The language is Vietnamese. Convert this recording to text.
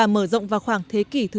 mở rộng vào khoảng thế kỷ thứ tám